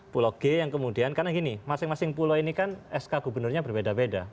pulau g yang kemudian karena gini masing masing pulau ini kan sk gubernurnya berbeda beda